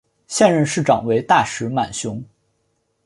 现任市长为大石满雄。